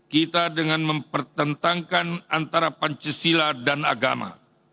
kita dengan mempertentangkan antara pancasila dan agama